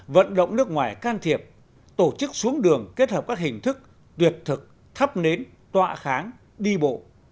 vận động nước ngoài can thiệp tổ chức xuống đường kết hợp các hình thức tuyệt thực nến tọa kháng đi bộ